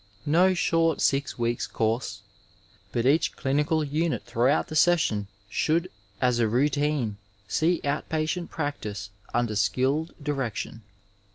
No short six weeks' course, but each clinical unit throughout the session should as a routine see out patient practice under skilled direction.